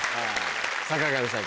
坂上さん